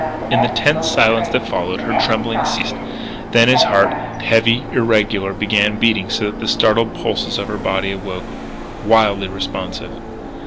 In the tense silence that followed her trembling ceased. Then his heart, heavy, irregular, began beating so that the startled pulses in her body awoke, wildly responsive.